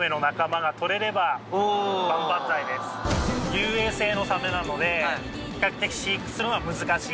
遊泳性のサメなので比較的飼育するのが難しい。